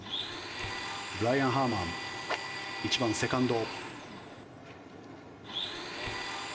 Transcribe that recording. ブライアン・ハーマン１番、セカンド。